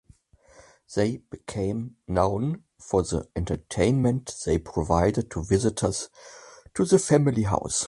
They became known for the entertainment they provided to visitors to the family house.